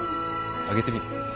あげてみる？